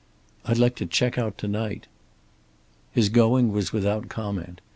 "I'd like to check out to night." His going was without comment.